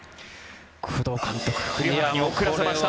工藤監督、栗原に送らせました。